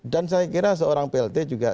dan saya kira seorang plt juga